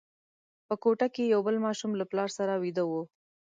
په کوټه کې یو بل ماشوم له پلار سره ویده وو.